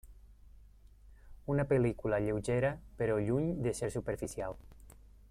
Una pel·lícula lleugera però lluny de ser superficial.